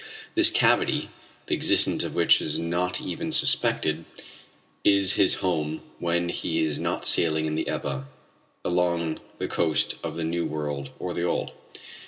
This cavity, the existence of which is not even suspected, is his home when he is not sailing in the Ebba along the coasts of the new world or the old.